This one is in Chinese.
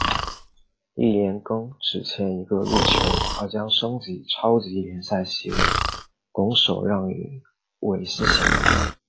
翌年更只欠一个入球而将升级超级联赛席位拱手让予韦斯咸。